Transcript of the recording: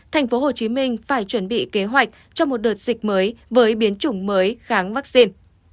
thành phố hồ chí minh phải chuẩn bị kế hoạch cho một đợt dịch mới với biến chủng mới kháng vaccine